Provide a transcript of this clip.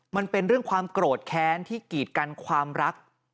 มันเป็นเรื่องความโกรธแค้นที่กีดกันความรัก